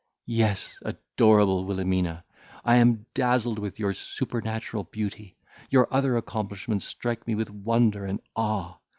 Yes, adorable Wilhelmina! I am dazzled with your supernatural beauty; your other accomplishments strike me with wonder and awe.